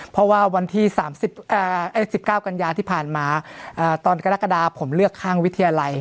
เพราะว่าวันที่สามสิบเอ่อสิบเก้ากัญญาที่ผ่านมาเอ่อตอนกรกฎาผมเลือกข้างวิทยาลัย